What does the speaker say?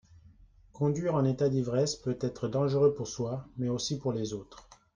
Conduire en état d'ivresse peut être dangereux pour soi mais aussi pour les autres.